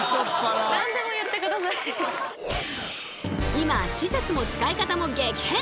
今施設も使い方も激変！